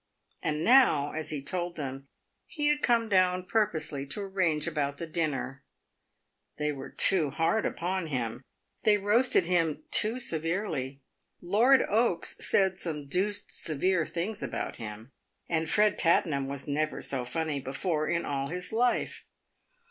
And now, as he told them, he had come down purposely to arrange about the dinner. PAVED WITH GOLD. 275 They were too hard upon him. They roasted him too severely. Lord Oaks said some deuced severe things about him, and Ered Tattenham was never so funny before in all his life.